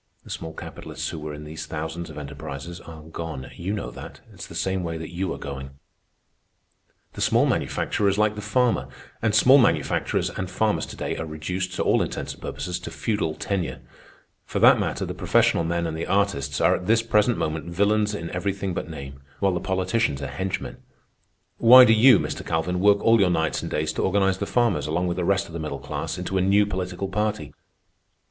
The small capitalists who were in these thousands of enterprises are gone. You know that. It's the same way that you are going. Standard Oil and Rockefeller—see footnote "The small manufacturer is like the farmer; and small manufacturers and farmers to day are reduced, to all intents and purposes, to feudal tenure. For that matter, the professional men and the artists are at this present moment villeins in everything but name, while the politicians are henchmen. Why do you, Mr. Calvin, work all your nights and days to organize the farmers, along with the rest of the middle class, into a new political party?